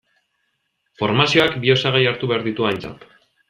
Formazioak bi osagai hartu behar ditu aintzat.